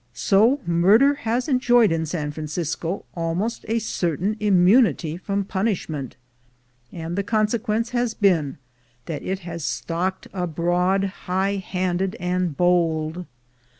So murder has enjoyed in San Francisco almost a certain immunity from punishment; and the consequence has been that it has stalked abroad high handed and bold.